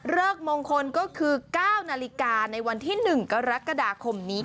มงคลก็คือ๙นาฬิกาในวันที่๑กรกฎาคมนี้